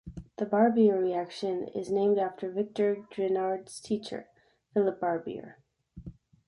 The Barbier reaction is named after Victor Grignard's teacher Philippe Barbier.